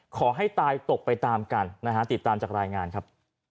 ขอให้ตายตกไปตามกันนะฮะติดตามจากรายงานครับ